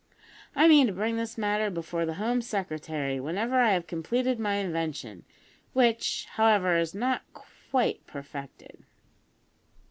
I mean to bring this matter before the Home Secretary whenever I have completed my invention, which, however, is not quite perfected.